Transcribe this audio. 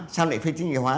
sao lại phi chính kỳ hóa